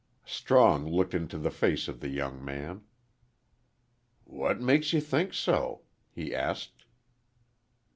Strong looked into the face of the young man. "What makes ye think so?" he asked.